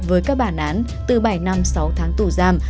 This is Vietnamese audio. với các bản án từ bảy năm sáu tháng tù giam